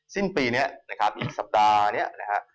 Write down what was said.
สิ้นปีนี้นะครับอีกสัปดาห์นี้นะฮะ